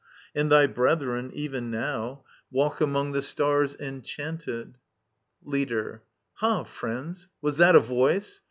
And thy brethren, even now, Walk among' the stars, enchanted* Leadbiu Ha, friends, was that a voice?